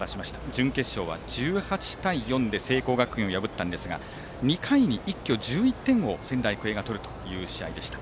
準決勝は１８対４で聖光学院を破ったんですが２回に一挙１１点を仙台育英が取るという試合でした。